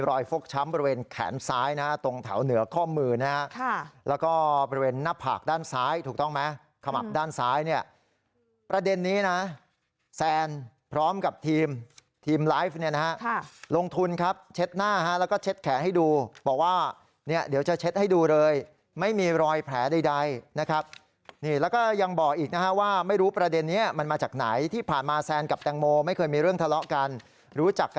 รอยฟกช้ำบริเวณแขนซ้ายนะฮะตรงถาวเหนือข้อมือนะฮะแล้วก็บริเวณหน้าผากด้านซ้ายถูกต้องไหมขมับด้านซ้ายเนี่ยประเด็นนี้นะแซนพร้อมกับทีมทีมไลฟ์เนี่ยนะฮะลงทุนครับเช็ดหน้าฮะแล้วก็เช็ดแขนให้ดูบอกว่าเนี่ยเดี๋ยวจะเช็ดให้ดูเลยไม่มีรอยแผลใดนะครับนี่แล้วก็ยัง